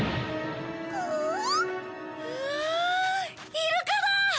イルカだ！